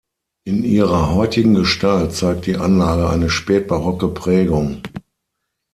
In ihrer heutigen Gestalt zeigt die Anlage eine spätbarocke Prägung.